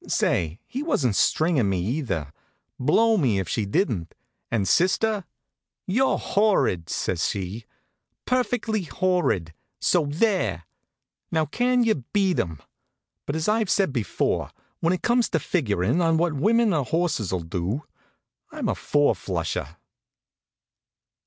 Say, he wasn't stringin' me either. Blow me if she didn't. And sister? "You're horrid!" says she. "Perfectly horrid. So there!" Now can you beat 'em? But, as I've said before, when it comes to figurin' on what women or horses'll do, I'm a four flusher.